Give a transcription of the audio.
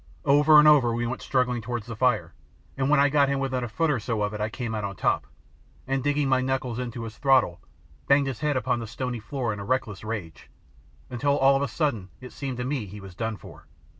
Over and over we went struggling towards the fire, and when I got him within a foot or so of it I came out on top, and, digging my knuckles into his throttle, banged his head upon the stony floor in reckless rage, until all of a sudden it seemed to me he was done for.